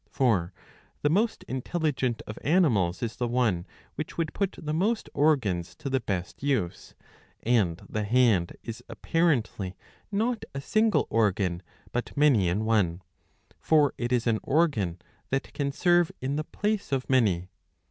'* For the most intelligent of animals is the one which would put the most organs to the best use; and the hand is apparently not a single organ but many in one ; for it is an organ that can serve in the place of many.